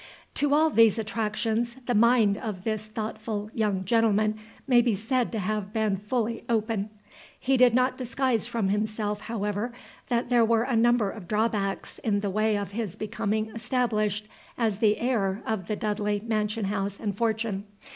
To all these attractions the mind of this thoughtful young gentleman may be said to have been fully open. He did not disguise from himself, however, that there were a number of drawbacks in the way of his becoming established as the heir of the Dudley mansion house and fortune.